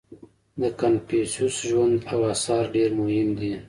• د کنفوسیوس ژوند او آثار ډېر مهم دي.